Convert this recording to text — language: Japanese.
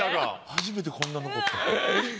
初めてこんな残った。